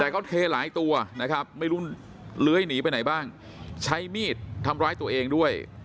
แต่เขาเทหลายตัวนะครับไม่รู้เลื้อยหนีไปไหนบ้างใช้มีดทำร้ายตัวเองด้วย